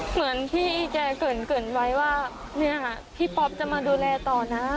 เหมือนพี่แจ่เกินไว้ว่าพี่ป๊อปจะมาดูแลต่อนะฮะ